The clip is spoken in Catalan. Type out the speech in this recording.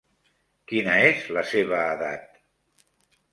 Quina és la seva edat?